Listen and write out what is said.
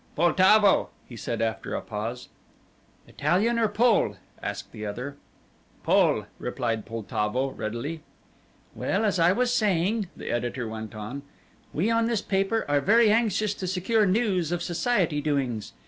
"Poltavo," he said after a pause. "Italian or Pole?" asked the other. "Pole," replied Poltavo readily. "Well, as I was saying," the editor went on, "we on this paper are very anxious to secure news of society doings.